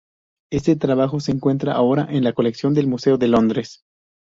Este trabajo se encuentra ahora en la colección del Museo de Londres.